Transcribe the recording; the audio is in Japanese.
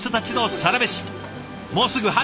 もうすぐ春。